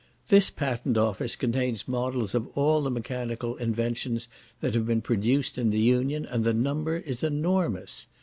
This patent office contains models of all the mechanical inventions that have been produced in the Union, and the number is enormous.